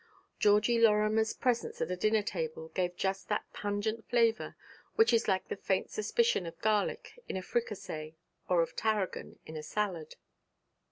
Georgie Lorimer's presence at a dinner table gave just that pungent flavour which is like the faint suspicion of garlic in a fricassee or of tarragon in a salad.